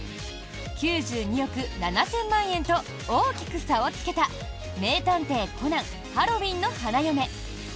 ９２億７０００万円と大きく差をつけた「名探偵コナンハロウィンの花嫁」。